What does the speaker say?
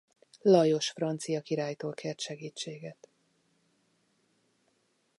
Lajos francia királytól kért segítséget.